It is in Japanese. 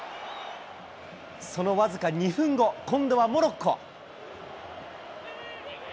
その僅か２分後、今度はモロッコ。